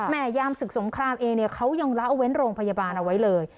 ยามศึกสงครามเองเนี่ยเขายังละเว้นโรงพยาบาลเอาไว้เลย